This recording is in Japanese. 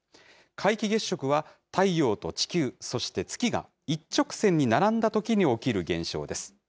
皆既月食は、太陽と地球、そして月が、一直線に並んだときに起きる現象です。